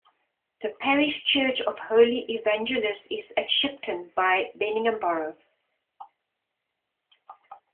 The parish church of Holy Evangelists is at Shipton by Beningbrough.